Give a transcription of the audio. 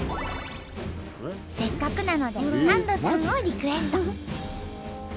せっかくなのでサンドさんをリクエスト！